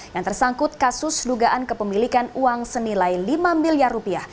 yang tersangkut kasus dugaan kepemilikan uang senilai lima miliar rupiah